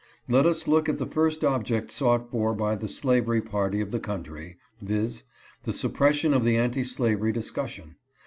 Let us look at the first object sought for by the slavery party of the country, viz., the suppression of the anti slavery discussion.